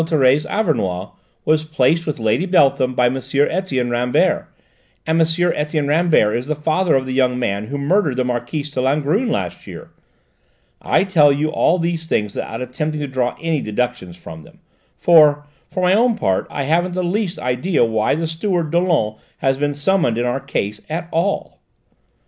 Thérèse Auvernois, was placed with Lady Beltham by M. Etienne Rambert. And M. Etienne Rambert is the father of the young man who murdered the Marquise de Langrune last year. I tell you all these things without attempting to draw any deductions from them, for, for my own part, I haven't the least idea why the steward, Dollon, has been summoned in our case at all."